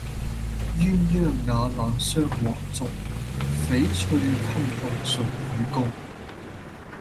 鴛鴦瓦冷霜華重，翡翠衾寒誰與共？